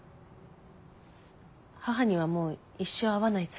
母にはもう一生会わないつもり。